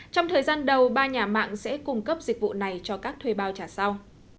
trong thời gian đầu ba nhà mạng sẽ cung cấp dịch vụ này cho các thuê bao trả sau